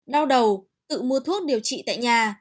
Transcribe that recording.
đau đầu tự mua thuốc điều trị tại nhà